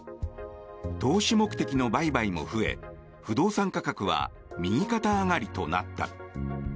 投資目的の売買も増え不動産価格は右肩上がりとなった。